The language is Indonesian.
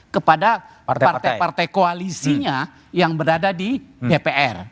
kepada partai partai koalisinya yang berada di dpr